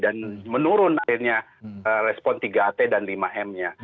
dan menurun akhirnya respon tiga t dan lima m nya